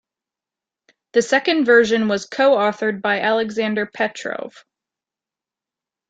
The second version was co-authored by Alexander Petrov.